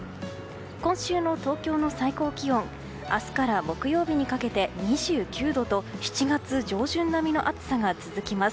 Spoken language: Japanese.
今週の東京の最高気温明日から木曜日にかけて２９度と７月上旬並みの暑さが続きます。